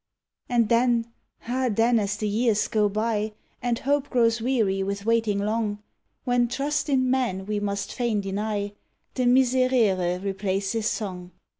And then, ah, then, as the years go by, and hope grows weary with waiting long, When trust in men we must fain deny, the miserere replaces song.